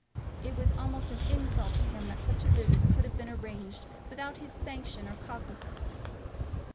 It was almost an insult to him that such a visit should have been arranged without his sanction or cognizance.